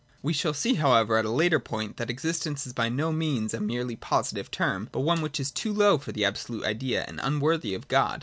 We shall see however at a later point that existence is by no means a merely positive term, but one which is too low for the Absolute Idea, and unworthy of God.